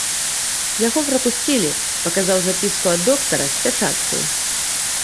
Яго прапусцілі, паказаў запіску ад доктара, з пячаткаю.